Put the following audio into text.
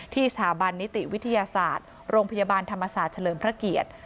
สถาบันนิติวิทยาศาสตร์โรงพยาบาลธรรมศาสตร์เฉลิมพระเกียรติ